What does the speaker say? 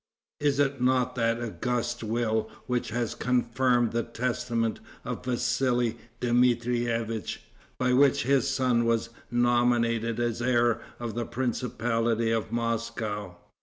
Is it not that august will which has confirmed the testament of Vassali Dmitrievitch, by which his son was nominated as heir of the principality of Moscow?